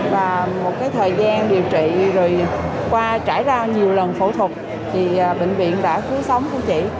và một thời gian điều trị rồi qua trải ra nhiều lần phẫu thuật thì bệnh viện đã cứu sống của chị